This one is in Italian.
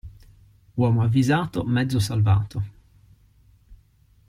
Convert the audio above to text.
Uomo avvisato, mezzo salvato.